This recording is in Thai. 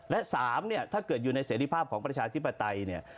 และ๓เนี่ยถ้าเกิดอยู่ในเสรีภาพของประชาธิปไตยเนี่ย